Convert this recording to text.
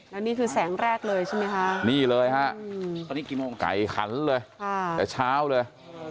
แล้วนี่คือแสงแรกเลยใช่ไหมคะนี่เลยฮะไก่ขันเลยแต่เช้าเลย